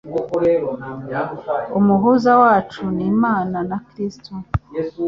umuhuza wacu ni Imana ni kirisito